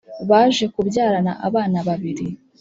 Baje kubyarana abana babiri